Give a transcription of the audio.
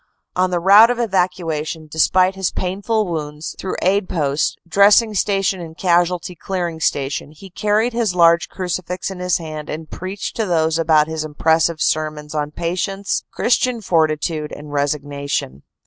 On the route of evacuation, despite his painful wounds, through aid posts, Dressing Station and Casualty Clearing Station, he car ried his large crucifix in his hand and preached to those about him impressive sermons on patience, Christian fortitude and resignation.